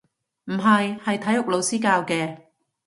唔係，係體育老師教嘅